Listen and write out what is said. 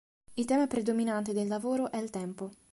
Il tema predominante del lavoro è il tempo.